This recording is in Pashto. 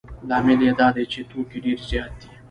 لامل یې دا دی چې توکي ډېر زیات دي